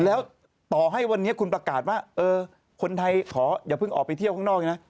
แล้วต่อให้วันนี้คุณประกาศว่าคนไทยขออย่าเพิ่งออกไปเที่ยวข้างนอกนะ